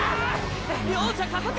両者加速！！